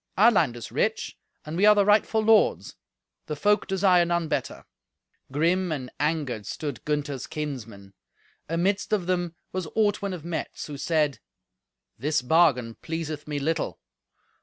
Our land is rich, and we are the rightful lords. The folk desire none better." Grim and angered stood Gunther's kinsmen. Amidst of them was Ortwin of Metz, who said, "This bargain pleaseth me little.